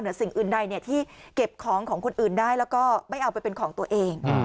สิ่งอื่นใดที่เก็บของของคนอื่นได้แล้วก็ไม่เอาไปเป็นของตัวเอง